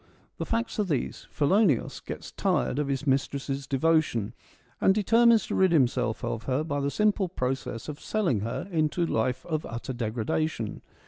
The facts are these : Philoneos gets tired of his mistress' devotion, and determines to rid him self of her by the simple process of selling her into a THE ATTIC ORATORS 193 life of utter degradation.